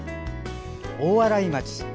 大洗町。